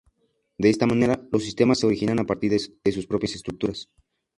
De esta manera, los sistemas se originan a partir de sus propias estructuras.